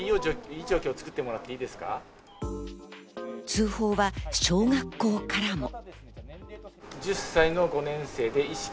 通報は小学校からも。